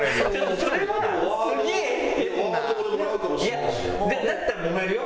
いやだったらもめるよ。